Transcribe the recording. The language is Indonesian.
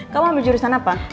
kamu ambil jurusan apa